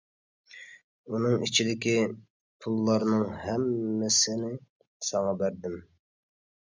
ئۇنىڭ ئىچىدىكى پۇللارنىڭ ھەممىسىنى ساڭا بەردىم.